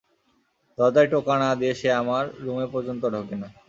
দরজায় টোকা না দিয়ে সে আমার রুমে পর্যন্ত ঢোকে না!